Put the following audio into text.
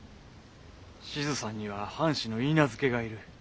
志津さんには藩士の許嫁がいる。